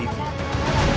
cianjur dan jawa barat